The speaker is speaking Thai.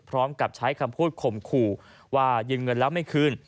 พร้อมกับใช้คำพูดข่มขู่ว่ายืมเงินแล้วไม่คืน